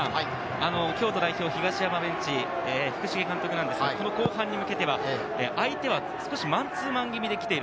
東山ベンチ、福重監督、この後半に向けては、相手はマンツーマン気味で来ている。